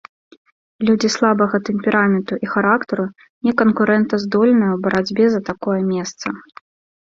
Людзі слабага тэмпераменту і характару не канкурэнтаздольныя ў барацьбе за такое месца.